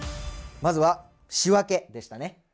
まずは仕分けでしたね。